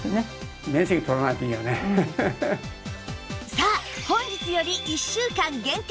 さあ本日より１週間限定